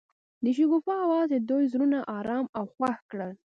د شګوفه اواز د دوی زړونه ارامه او خوښ کړل.